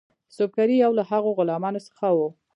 سُبکري یو له هغو غلامانو څخه وو.